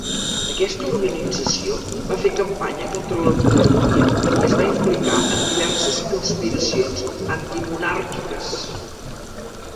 Aquesta organització va fer campanya contra la monarquia i es va implicar en diverses conspiracions antimonàrquiques.